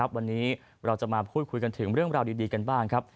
วันนี้เราจะมาพูดคุยกันถึงเรื่องราวดีกันบ้างครับ